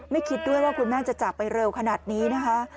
คิดด้วยว่าคุณแม่จะจากไปเร็วขนาดนี้นะคะ